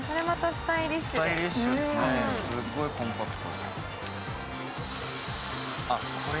スタイリッシュですね、すっごいコンパクト。